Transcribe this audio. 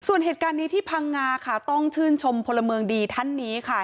ส่วนเหตุการณ์นี้ที่พังงาค่ะต้องชื่นชมพลเมืองดีท่านนี้ค่ะ